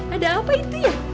ada apa itu ya